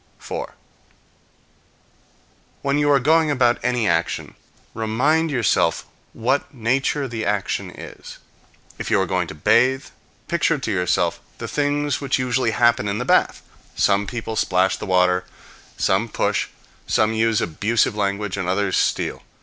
4. When you are going about any action, remind yourself what nature the action is. If you are going to bathe, picture to yourself the things which usually happen in the bath: some people splash the water, some push, some use abusive language, and others steal.